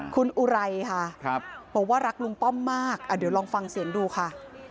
คุณอุไรค่ะบอกว่ารักลุงป้อมมากเดี๋ยวลองฟังเสียงดูค่ะ